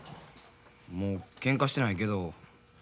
もうけんかしてないけど。